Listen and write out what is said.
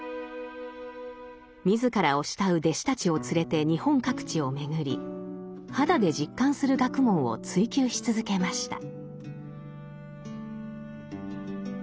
自らを慕う弟子たちを連れて日本各地を巡り肌で実感する学問を追究し続けました。